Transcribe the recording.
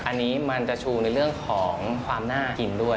อันนี้มันจะชูในเรื่องของความน่ากินด้วย